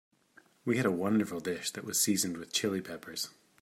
We had a wonderful dish that was seasoned with Chili Peppers.